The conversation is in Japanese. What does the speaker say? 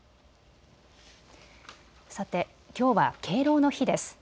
さて、きょうは敬老の日です。